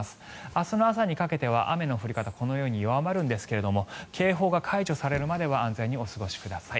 明日の朝にかけては雨の降り方このように弱まるんですが警報が解除されるまでは安全にお過ごしください。